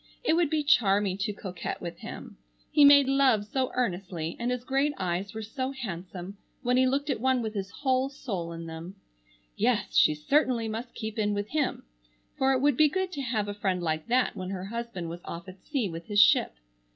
It would be charming to coquet with him. He made love so earnestly, and his great eyes were so handsome when he looked at one with his whole soul in them. Yes, she certainly must keep in with him, for it would be good to have a friend like that when her husband was off at sea with his ship.